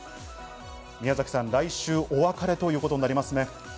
宮崎さん、来週お別れということになりますね。